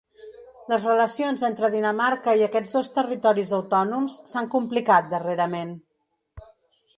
Les relacions entre Dinamarca i aquests dos territoris autònoms s’han complicat, darrerament.